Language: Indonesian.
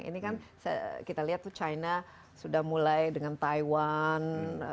ini kan kita lihat tuh china sudah mulai dengan taiwan